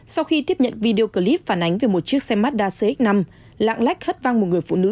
sau khi tiếp nhận video clip phản ánh về một chiếc xe mazda cx năm lạng lách hất văng một người phụ nữ